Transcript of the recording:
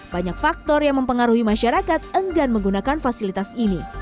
banyak faktor yang mempengaruhi masyarakat enggan menggunakan fasilitas ini